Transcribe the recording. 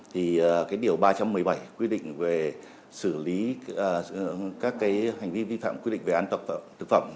thì cái điều ba trăm một mươi bảy quy định về xử lý các cái hành vi vi phạm quy định về an toàn thực phẩm